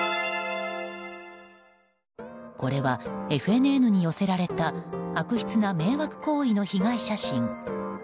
これはＦＮＮに寄せられた悪質な迷惑行為の被害写真。